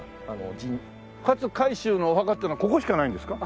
勝海舟のお墓っていうのはここしかないんですか？